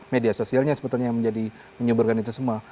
media sosialnya sebetulnya yang menjadi menyuburkan itu semua